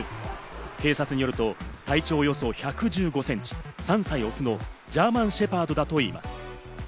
警察によると体長およそ１１５センチ、３歳オスのジャーマン・シェパードだといいます。